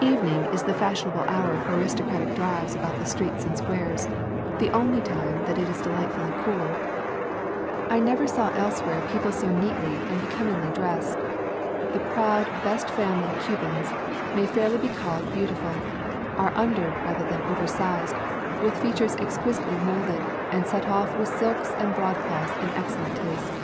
Evening is the fashionable hour for aristocratic drives about the streets and squares, the only time that is delightfully cool. I never saw elsewhere people [ 153 ] A Thousand Mile Walk so neatly and becomingly dressed. The proud best family Cubans may fairly be called beau tiful, are under rather than over sized, with features exquisitely moulded, and set off with silks and broadcloth in excellent taste.